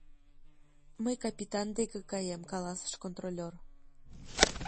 — Мый капитан деке каем, — каласыш контролёр.